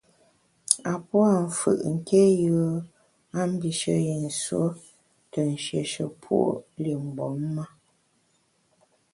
A pua’ mfù’ nké yùe a mbishe yi nsuo te nshieshe puo’ li mgbom me.